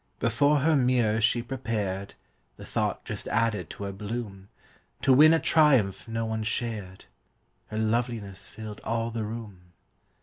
Before her mirror she prepared (The thought just added to her bloom) To win a triumph no one shared. Her loveliness filled all the room.